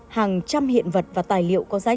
hàng trăm hiện vật và tài liệu của điện biên phủ